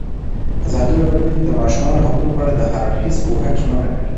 ازادي راډیو د د ماشومانو حقونه په اړه د هر اړخیز پوښښ ژمنه کړې.